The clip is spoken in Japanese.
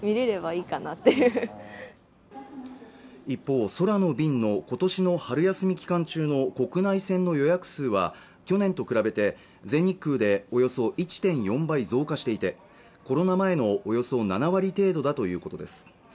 一方空の便の今年の春休み期間中の国内線の予約数は去年と比べて全日空でおよそ１．４倍増加していてコロナ前のおよそ７割程度だということです